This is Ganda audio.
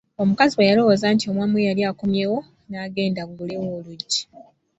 Omukazi bwe yalowooza nti omwami we y'ali akomyewo n'agenda aggulewo oluggi.